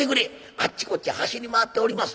あっちこっち走り回っております。